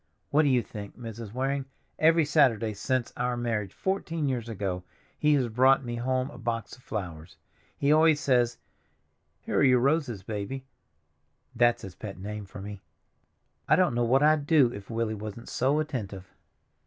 What do you think, Mrs. Waring, every Saturday since our marriage, fourteen years ago, he has brought me home a box of flowers! He always says, 'Here are your roses, Baby'—that's his pet name for me. I don't know what I'd do if Willie wasn't so attentive."